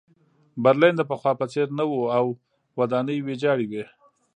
برلین د پخوا په څېر نه و او ودانۍ ویجاړې وې